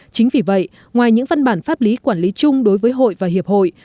chính vì vậy ngoài những văn bản pháp lý quản lý chung đối với hội và hiệp hội